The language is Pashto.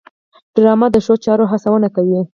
ډرامه د ښو چارو هڅونه کوي